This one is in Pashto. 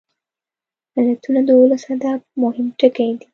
متلونه د ولسي ادب مهم توکي دي